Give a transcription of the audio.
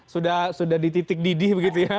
sudah sudah dititik didih begitu ya